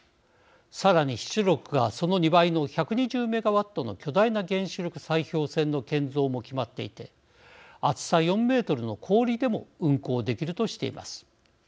さらに出力がその２倍の１２０メガワットの巨大な原子力砕氷船の建造も決まっていて厚さ４メートルの氷でも運航できるとしています。